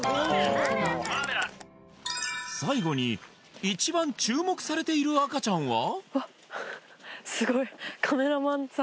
最後に一番注目されている赤ちゃんは？